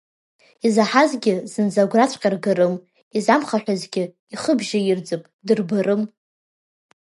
Изаҳазгьы, зынӡа агәраҵәҟьа ргарым, изамхаҳәазгьы, ихы бжьаирӡып, дырбарым…